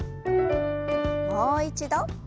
もう一度。